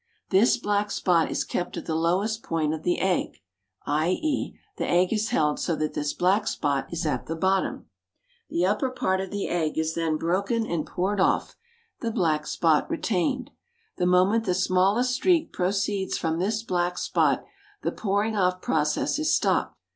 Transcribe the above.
This black spot is kept at the lowest point of the egg, i.e., the egg is held so that this black spot is at the bottom. The upper part of the egg is then broken and poured off, the black spot being retained. The moment the smallest streak proceeds from this black spot the pouring off process is stopped.